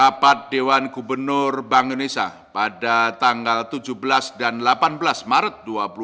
rapat dewan gubernur bank indonesia pada tanggal tujuh belas dan delapan belas maret dua ribu dua puluh